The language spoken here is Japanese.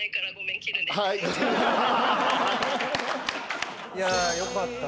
いやよかった。